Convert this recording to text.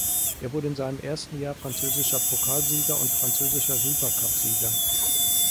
Er wurde in seinem ersten Jahr französischer Pokalsieger und französischer Supercupsieger.